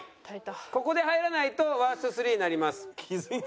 ここで入らないとワースト３になります。